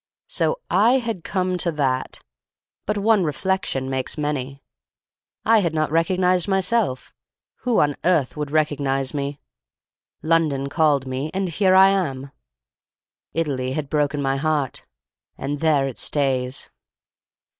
So I had come to that! But one reflection makes many. I had not recognized myself; who on earth would recognize me? London called me—and here I am. Italy had broken my heart—and there it stays."